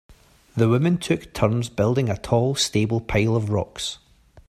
The women took turns building a tall stable pile of rocks.